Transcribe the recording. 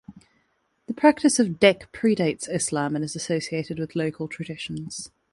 The practice of deq predates Islam and is associated with local traditions.